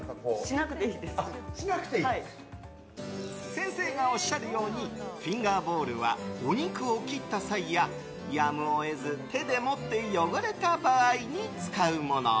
先生がおっしゃるようにフィンガーボウルはお肉を切った際ややむを得ず手で持って汚れた場合に使うもの。